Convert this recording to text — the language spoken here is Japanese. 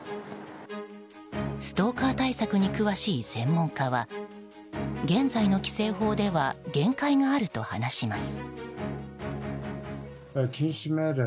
ストーカー対策に詳しい専門家は現在の規正法では限界があると話します。